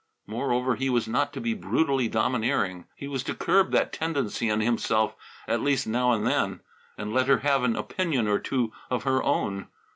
Moreover, he was not to be brutally domineering. He was to curb that tendency in himself, at least now and then, and let her have an opinion or two of her own.